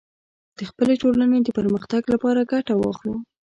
د خپلې ټولنې د پرمختګ لپاره ګټه واخلو